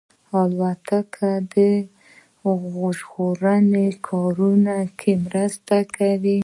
الوتکه د ژغورنې کارونو کې مرسته کوي.